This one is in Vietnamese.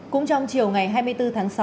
cũng trong chiều ngày hai mươi bốn tháng sáu